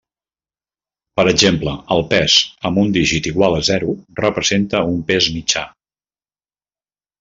Per exemple, el Pes amb un dígit igual a zero representa un pes mitjà.